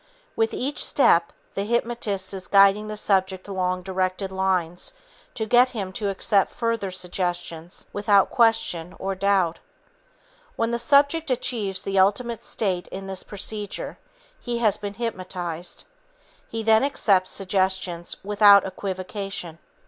With each step, the hypnotist is guiding the subject along directed lines to get him to accept further suggestions without question or doubt. When the subject achieves the ultimate state in this procedure, he has been hypnotized. He then accepts suggestions without equivocation.